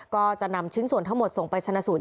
ก็จะนำชิ้นส่วนทั้งหมดส่งไปชนะสูตร